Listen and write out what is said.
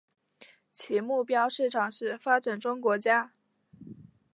其目标市场是发展中国家。